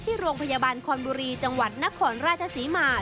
ที่โรงพยาบาลคอนบุรีจังหวัดนครราชศรีมา